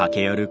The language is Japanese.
あ！